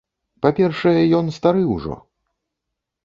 Па-першае, ён стары ўжо.